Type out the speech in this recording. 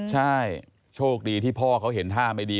ใช่โชคดีที่พ่อเขาเห็นท่าไม่ดี